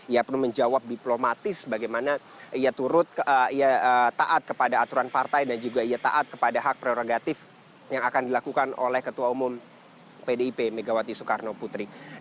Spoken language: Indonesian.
ia perlu menjawab diplomatis bagaimana ia taat kepada aturan partai dan juga ia taat kepada hak prerogatif yang akan dilakukan oleh ketua umum pdip megawati soekarno putri